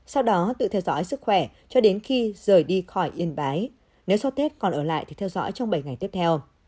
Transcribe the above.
sau đó tự theo dõi sức khỏe cho đến khi rời đi khỏi yên bái nếu sau tết còn ở lại thì theo dõi trong bảy ngày tiếp theo